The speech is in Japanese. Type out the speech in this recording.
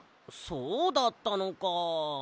そうだったのか。